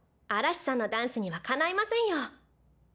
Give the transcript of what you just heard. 嵐さんのダンスにはかないませんよ。